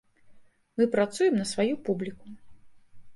Мы працуем на сваю публіку.